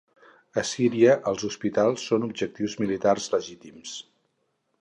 A Síria els hospitals són objectius militars ‘legítims’.